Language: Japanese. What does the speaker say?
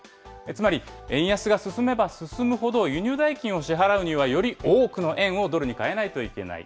つまり円安が進めば進むほど、輸入代金を支払うには、より多くの円をドルに換えないといけない。